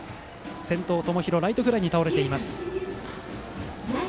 先頭、友廣ライトフライに倒れています。